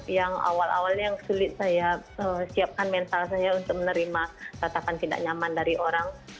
yang awal awalnya yang sulit saya siapkan mental saya untuk menerima tatakan tidak nyaman dari orang